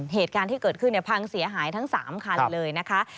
เหตุการณ์ที่เกิดขึ้นพังเสียหายทั้ง๓คันเลยนะคะ